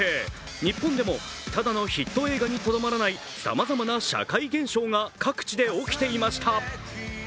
日本でも、ただのヒット映画にとどまらないさまざまな社会現象が各地で起きていました。